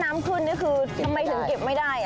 แล้วถ้าน้ำขึ้นทำไมถึงเก็บไม่ได้